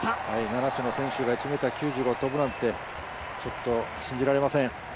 七種の選手が１ｍ９５を跳ぶなんて信じられません。